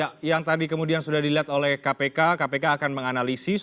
ya yang tadi kemudian sudah dilihat oleh kpk kpk akan menganalisis